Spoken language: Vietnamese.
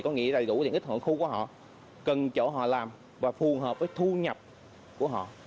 có nghĩa là đầy đủ tiền ít ở khu của họ cần chỗ họ làm và phù hợp với thu nhập của họ